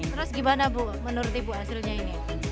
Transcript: terus gimana bu menuruti bu hasilnya ini